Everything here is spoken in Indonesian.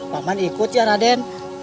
pak man ikut ya raden